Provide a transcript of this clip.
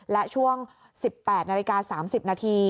และช่วง๑๘นาฬิกา๓๐นาที